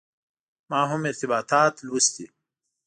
ما هم ارتباطات لوستي.